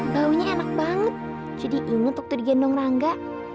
baunya enak banget jadi inget waktu digendong rangga